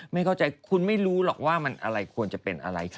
ไม่เข้าใจคุณไม่รู้หรอกว่ามันอะไรควรจะเป็นอะไร